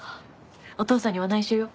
お父さんには内緒よ。